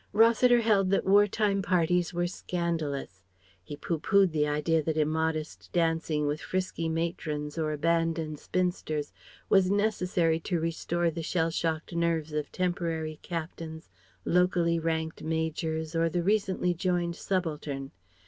Rossiter held that war time parties were scandalous. He poohpoohed the idea that immodest dancing with frisky matrons or abandoned spinsters was necessary to restore the shell shocked nerves of temporary captains, locally ranked majors, or the recently joined subaltern.